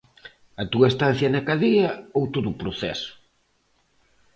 A túa estancia na cadea ou todo o proceso?